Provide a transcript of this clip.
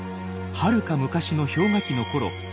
はるか昔の氷河期のころ